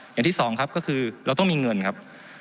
อย่างที่สองครับก็คือเราต้องมีเงินครับ